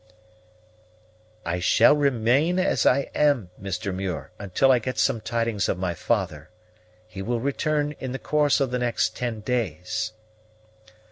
"I shall remain as I am, Mr. Muir, until I get some tidings of my father. He will return in the course of the next ten days."